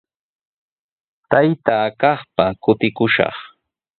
Taytaa kaqpa kutikushaq.